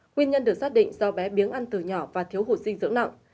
nguyên nhân được xác định do bé biếng ăn từ nhỏ và thiếu hụt dinh dưỡng nặng